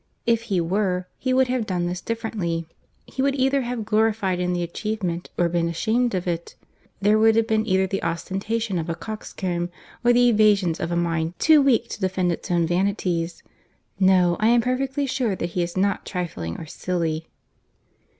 If he were, he would have done this differently. He would either have gloried in the achievement, or been ashamed of it. There would have been either the ostentation of a coxcomb, or the evasions of a mind too weak to defend its own vanities.—No, I am perfectly sure that he is not trifling or silly."